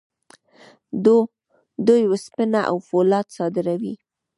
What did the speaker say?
دوی وسپنه او فولاد صادروي.